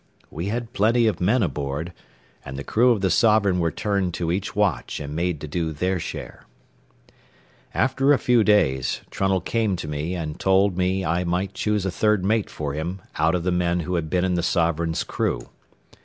We had plenty of men aboard, and the crew of the Sovereign were turned to each watch and made to do their share. After a few days, Trunnell came to me and told me I might choose a third mate for him out of the men who had been in the Sovereign's crew.